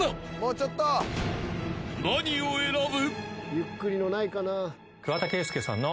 ［何を選ぶ？］